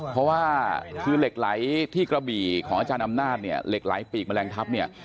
เพราะว่าคือเหล็กไหลที่กระบี่ของอาจารย์อำนาจเนี่ยเหล็กไหลปีกแมลงทัพเนี่ย